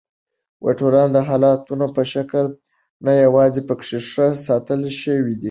ټوله د حالتونو په شکل نه یواځي پکښې ښه ساتل شوي دي